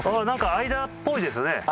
なんか間っぽいですね。